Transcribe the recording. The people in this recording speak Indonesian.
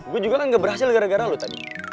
gue juga kan gak berhasil gara gara lo tadi